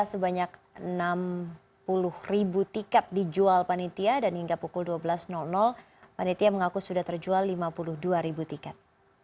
sebanyak enam puluh ribu tiket dijual panitia dan hingga pukul dua belas panitia mengaku sudah terjual lima puluh dua ribu tiket